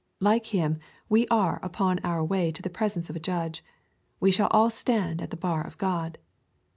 — Like him, we are upon our way to the presence of a Judge. We shall all stand at the bar of God.